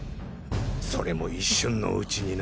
それも一瞬のうちにな。